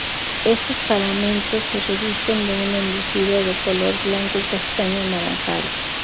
Estos paramentos se revisten de un enlucido de color blanco y castaño anaranjado.